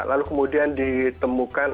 lalu kemudian ditemukan